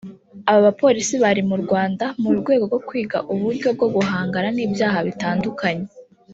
Aba bapolisi bari mu Rwanda mu rwego rwo kwiga uburyo bwo guhangana n’ibyaha bitandukanye